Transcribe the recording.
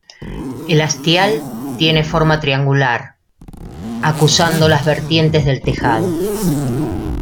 El hastial tiene forma triangular, acusando las vertientes del tejado.